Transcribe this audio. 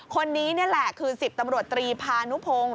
คนนี้นี่แหละคือ๑๐ตำรวจตรีพานุพงศ์